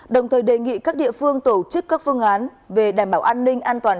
đồng thời đề nghị các địa phương tổ chức các phương án về đảm bảo an ninh an toàn